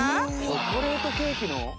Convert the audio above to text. チョコレートケーキの？